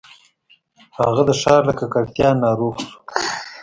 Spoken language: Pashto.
هغه د ښار له ککړتیا ناروغ شو.